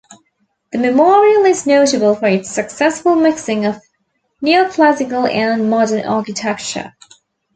The memorial is notable for its successful mixing of Neoclassical and Modern architecture.